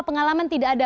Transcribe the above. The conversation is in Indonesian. pengalaman tidak ada